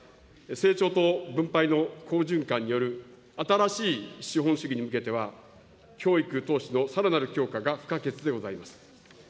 成長と分配の好循環による新しい資本主義に向けては、教育投資のさらなる強化が不可欠でございます。